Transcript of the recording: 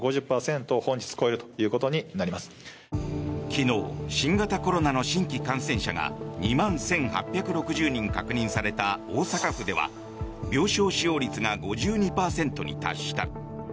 昨日新型コロナの新規感染者が２万１８６０人確認された大阪府では病床使用率が５２％に達した。